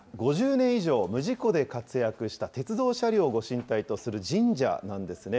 ５０年以上、無事故で活躍した鉄道車両をご神体とする神社なんですね。